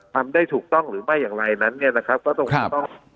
ทำได้ถูกต้องหรือไม่อย่างไรนั้นเนี่ยนะครับก็ต้อง